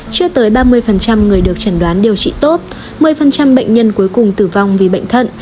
chưa tới ba mươi người được chẩn đoán điều trị tốt một mươi bệnh nhân cuối cùng tử vong vì bệnh thận